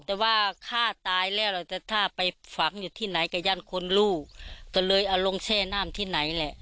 แต่ว่าฆ่าตายแล้วเราจะถ้าไปฝังอยู่ที่ไหนกับย่านคนลูกก็เลยเอาลงแช่น้ำที่ไหนแหละ